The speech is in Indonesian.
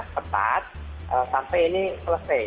tetap sampai ini selesai